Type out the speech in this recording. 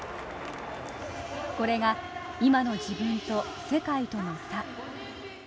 これが今の自分と世界との差。